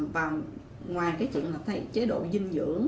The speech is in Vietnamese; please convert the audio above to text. và ngoài chế độ dinh dưỡng